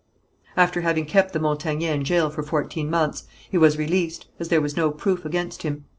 After having kept the Montagnais in jail for fourteen months he was released, as there was no proof against him.